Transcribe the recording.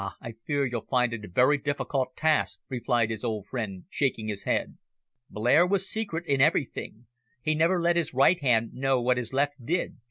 I fear you'll find it a very difficult task," replied his old friend, shaking his head. "Blair was secret in everything. He never let his right hand know what his left did.